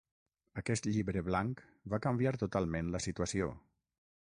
Aquest llibre blanc va canviar totalment la situació.